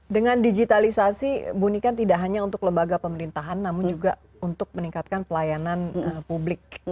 dengan digitalisasi bunikan tidak hanya untuk lembaga pemerintahan namun juga untuk meningkatkan pelayanan publik